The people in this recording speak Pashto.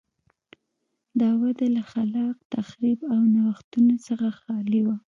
دا وده له خلاق تخریب او نوښتونو څخه خالي وه.